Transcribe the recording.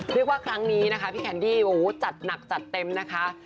เรียกว่าครั้งนี้นะคะพี่แคนดี้จัดหนักจัดเต็มนะคะ